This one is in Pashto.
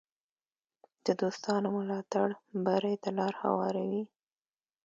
د دوستانو ملاتړ بری ته لار هواروي.